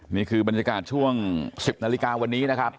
นี่คือบรรยากาศช่วง๑๐นาฬิกาวันนี้นะครับ